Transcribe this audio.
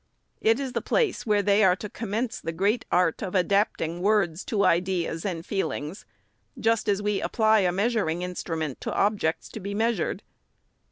It is the place where they are to commence the great art of adapt 514 THE SECRETARY'S ing words to ideas and feelings, just as we apply a meas uring instrument to objects to be measured.